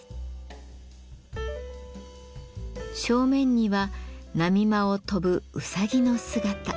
正面には波間を跳ぶうさぎの姿。